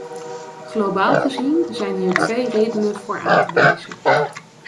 Globaal gezien zijn hier twee redenen voor aan te wijzen.